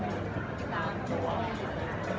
พี่แม่ที่เว้นได้รับความรู้สึกมากกว่า